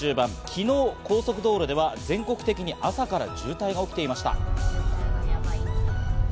昨日、高速道路では全国的に朝から渋滞が起きていました。